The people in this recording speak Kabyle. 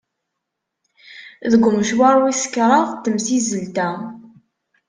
Deg umecwar wis kraḍ n temsizzelt-a.